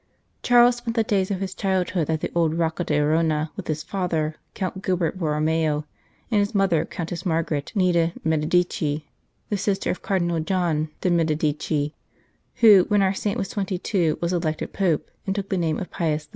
Charles spent the days of his childhood at the old Rocca d Arona with his father, Count Gilbert Borromeo, and his mother, Countess Margaret, nee de Medici, the sister of Cardinal John de 3 St. Charles Borromeo Medici, who, when our saint was twenty two, was elected Pope, and took the name of Pius IV.